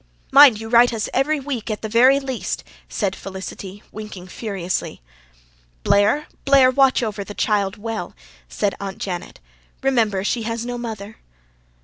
"Mind you write us every week at the very least," said Felicity, winking furiously. "Blair, Blair, watch over the child well," said Aunt Janet. "Remember, she has no mother."